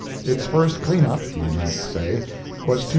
It's first clean up (my notes say) was £200,000.